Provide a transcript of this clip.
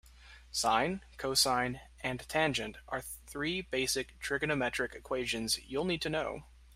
Sine, cosine and tangent are three basic trigonometric equations you'll need to know.